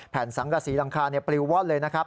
สังกษีหลังคาปลิวว่อนเลยนะครับ